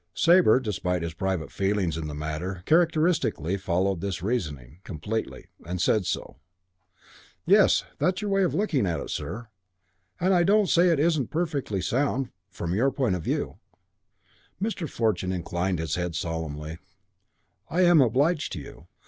Sabre, despite his private feelings in the matter, characteristically followed this reasoning completely, and said so. "Yes, that's your way of looking at it, sir, and I don't say it isn't perfectly sound from your point of view " Mr. Fortune inclined his head solemnly: "I am obliged to you."